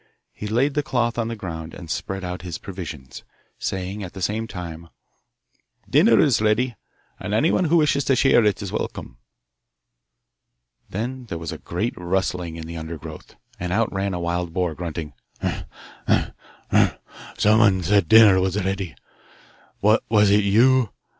he laid the cloth on the ground and spread out his provisions, saying at the same time: 'Dinner is ready, and anyone who wishes to share it is welcome.' Then there was a great rustling in the undergrowth, and out ran a wild boar, grunting, 'Umph, umph, umph; someone said dinner was ready. Was it you?